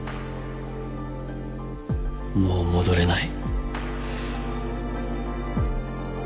もう戻れない